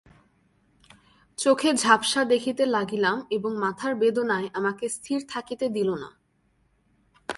চোখে ঝাপসা দেখিতে লাগিলাম এবং মাথার বেদনায় আমাকে স্থির থাকিতে দিল না।